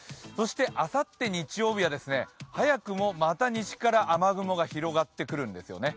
あさって日曜日は早くもまた西から雨雲が広がってくるんですよね。